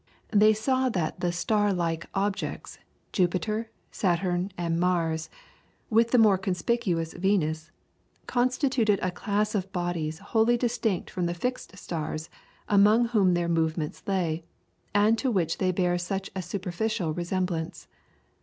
They saw that the star like objects, Jupiter, Saturn, and Mars, with the more conspicuous Venus, constituted a class of bodies wholly distinct from the fixed stars among which their movements lay, and to which they bear such a superficial resemblance.